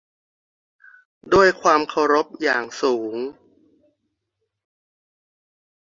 ด้วยความเคารพอย่างสูง